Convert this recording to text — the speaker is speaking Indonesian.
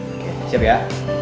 oke siap ya